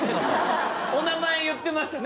お名前言ってましたね。